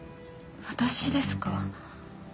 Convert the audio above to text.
私ですか？